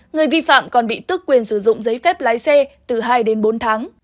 người vi phạm còn bị tức quyền sử dụng giấy phép lái xe từ hai đến bốn tháng